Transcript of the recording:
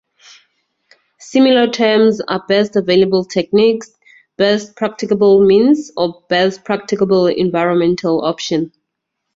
Similar terms are "best available techniques", "best practicable means" or "best practicable environmental option".